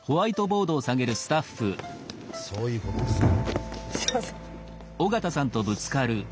そういうことですよ。